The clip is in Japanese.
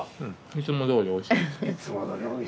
いつもどおりおいしい。